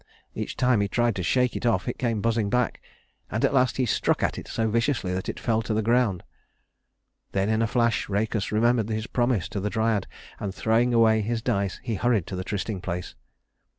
Each time he tried to shake it off it came buzzing back, and at last he struck at it so viciously that it fell to the ground. Then in a flash Rhœcus remembered his promise to the Dryad, and throwing away his dice, he hurried to the trysting place.